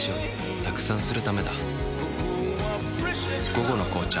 「午後の紅茶」